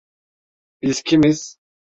Biz kimiz?